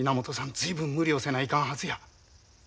随分無理をせないかんはずや。